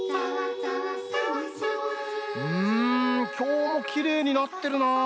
うんきょうもきれいになってるなあ。